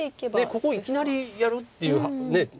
ここいきなりやるっていう手も。